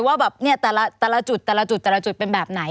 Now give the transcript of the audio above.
ว่าแบบเนี่ยแต่ละจุดแต่ละจุดแต่ละจุดเป็นแบบไหน